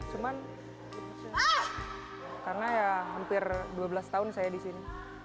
cuman karena ya hampir dua belas tahun saya di sini